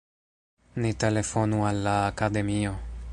Ni telefonu al la Akademio!